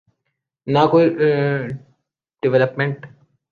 نہ کوئی ڈویلپمنٹ۔